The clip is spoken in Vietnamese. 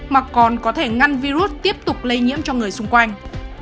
mà còn có thể ngăn virus tiếp tục lây nhiễm cho người xung quanh